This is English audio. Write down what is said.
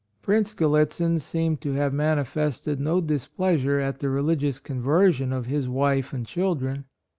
Prince Gallitzin seems to have manifested no displeasure at the AND MOTHER. 41 religious conversion of his wife and children.